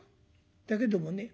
だけどもね